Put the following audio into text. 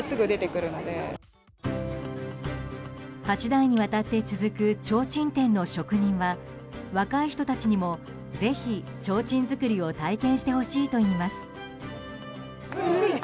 ８代にわたって続くちょうちん店の職人は若い人たちにもぜひ、ちょうちん作りを体験してほしいといいます。